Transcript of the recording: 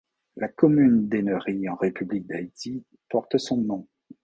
La commune d'Ennery en République d'Haïti porte son nom.